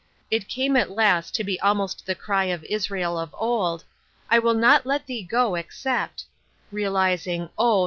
It came at last to be almost the cry of Israel of old, " I will not let Thee go except "— realizing, oh